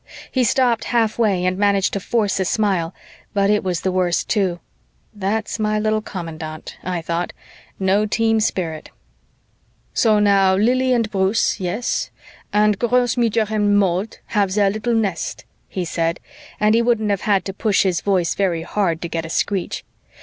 He stopped halfway and managed to force a smile, but it was the worst, too. "That's my little commandant," I thought, "no team spirit." "So now Lili and Bruce yes, and Grossmutterchen Maud have their little nest," he said, and he wouldn't have had to push his voice very hard to get a screech.